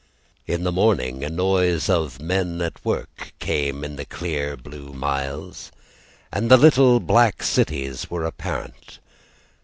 In the morning A noise of men at work came the clear blue miles, And the little black cities were apparent.